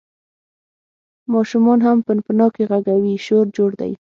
ماشومان هم پنپنانکي غږوي، شور جوړ دی.